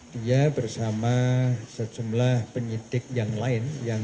dia bersama sejumlah penyitik yang menangkap penyitik